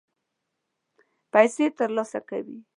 پیسې ترلاسه کوي.